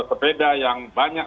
sepeda yang banyak